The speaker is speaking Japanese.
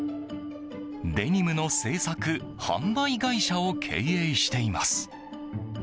デニムの製作・販売会社を経営しています。